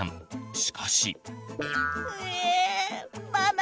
しかし。